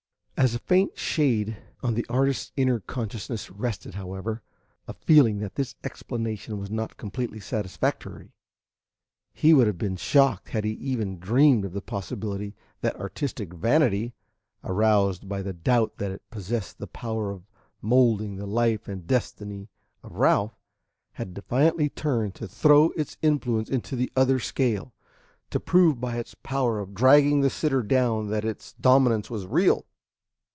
As a faint shade on the artist's inner consciousness rested, however, a feeling that this explanation was not completely satisfactory. He would have been shocked had he even dreamed of the possibility that artistic vanity, aroused by the doubt that it possessed the power of moulding the life and destiny of Ralph, had defiantly turned to throw its influence into the other scale, to prove by its power of dragging the sitter down that its dominance was real.